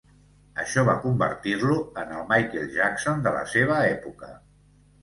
Això va convertir-lo en el Michael Jackson de la seva època.